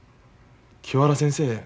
清原先生